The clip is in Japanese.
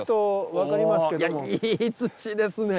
いやいい土ですね。